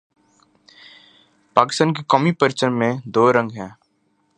پاکستان کے قومی پرچم میں دو رنگ ہیں